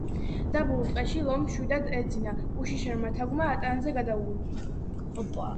დაბურულ ტყეში ლომს მშვიდად ეძინა უშიშარმა თაგვმა ტანზე გადაურბინა.